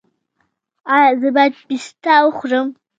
ایا زه باید پسته وخورم؟